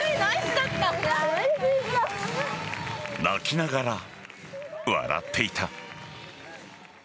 泣きながら笑っていた。